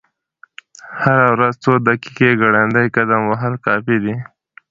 هره ورځ څو دقیقې ګړندی قدم وهل کافي دي.